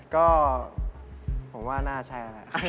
ก็ผมว่าน่าใช่นะ